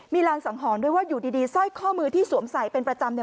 มีรางสังหรณ์ด้วยว่าอยู่ดีสร้อยข้อมือที่สวมใส่เป็นประจำ